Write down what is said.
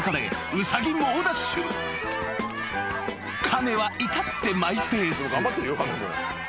［亀は至ってマイペース］